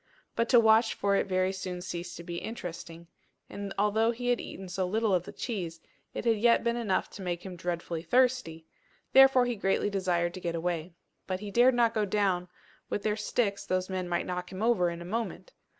But to watch for it very soon ceased to be interesting; and although he had eaten so little of the cheese, it had yet been enough to make him dreadfully thirsty, therefore he greatly desired to get away. But he dared not go down: with their sticks those men might knock him over in a moment!